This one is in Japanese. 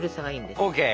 ＯＫ！